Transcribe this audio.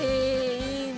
いいね！